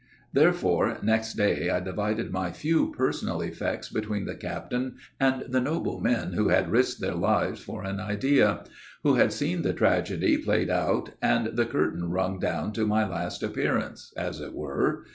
"Therefore, next day I divided my few personal effects between the captain and the noble men who had risked their lives for an idea; who had seen the tragedy played out and the curtain rung down to my last appearance, as it were.